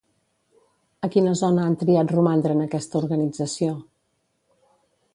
A quina zona han triat romandre en aquesta organització?